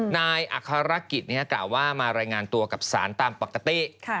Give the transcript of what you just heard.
นายอัครกิจกล่าวว่ามารายงานตัวกับสารตามปกติ